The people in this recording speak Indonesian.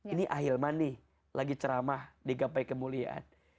ini ahil mani lagi ceramah di gapai kemuliaan